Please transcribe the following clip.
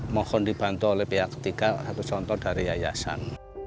mohon dibantu oleh pihak ketiga satu contoh dari yayasan